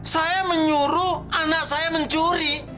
saya menyuruh anak saya mencuri